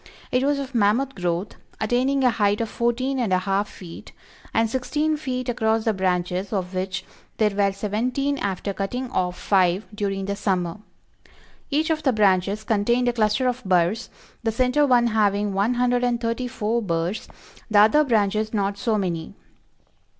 It was of mammoth growth, attaining a height of fourteen and a half feet, and sixteen feet across the branches of which there were seventeen after cutting off five during the summer. Each of the branches contained a cluster of burs, the center one having one hundred and thirty four burs, the other branches not so many.